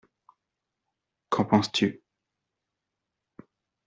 Qu’en penses-tu ?